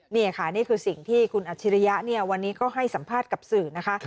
นี่ค่ะนี่คือสิ่งที่คุณอัจฉริยะเนี่ยวันนี้ก็ให้สัมภาษณ์กับสื่อนะคะ